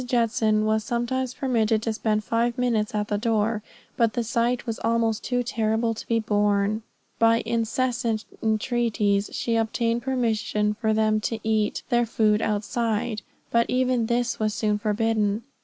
Judson was sometimes permitted to spend five minutes at the door, but the sight was almost too horrible to be borne. By incessant intreaties, she obtained permission for them to eat their food outside, but even this was soon forbidden.